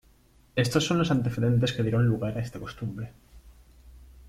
Estos son los antecedentes que dieron lugar a esta costumbre.